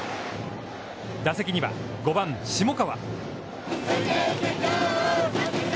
打席には５番下川。